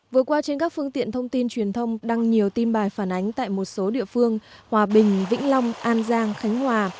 vừa qua trên các phương tiện thông tin truyền thông đăng nhiều tin bài phản ánh tại một số địa phương hòa bình vĩnh long an giang khánh hòa